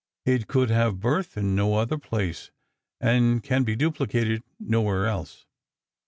It could have birth in no other place, and can be duplicated nowhere else.